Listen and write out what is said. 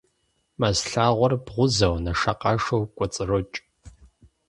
Мэз лъагъуэр бгъузэу, нэшэкъашэу кӀуэцӀрокӀ.